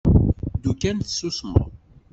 Ddu kan tessusmeḍ.